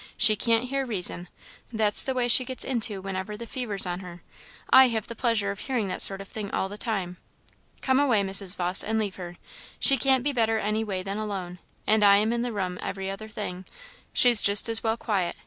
she can't hear reason; that's the way she gets into whenever the fever's on her. I have the pleasure of hearing that sort of thing all the time. Come away, Mrs. Vawse, and leave her; she can't be better any way than alone, and I am in the room every other thing she's just as well quiet.